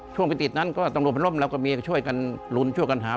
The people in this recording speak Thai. ช่วงประติศนั้นก็ตรงรวมพลังล่มเราก็ช่วยกันหลุนช่วยกันหาม